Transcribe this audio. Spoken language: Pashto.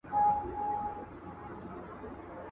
• اوگره په تلوار نه سړېږي.